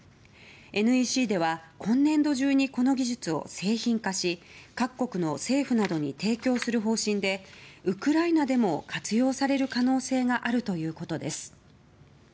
ＮＥＣでは今年度中にこの技術を製品化し各国の政府などに提供する方針でウクライナでも活用される可能性があるということです。